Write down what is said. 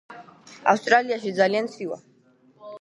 ავსტრალიაში ძალიან ცივა